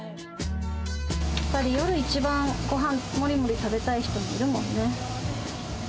やっぱり、夜一番、ごはんもりもり食べたい人もいるもんね。